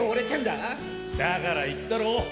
だから言ったろ。